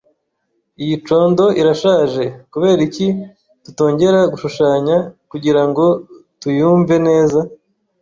Iyi condo irashaje. Kuberiki tutongera gushushanya kugirango tuyumve neza?